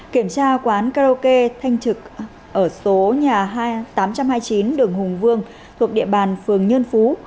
kiểm tra quán karaoke thanh trực ở số nhà tám trăm hai mươi chín đường hùng vương thuộc địa bàn phường nhân phú